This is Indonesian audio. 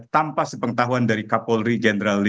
tanpa sepengetahuan dari kapolri jenderal